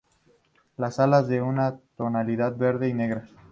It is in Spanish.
Las alas son de una tonalidad verde y negra.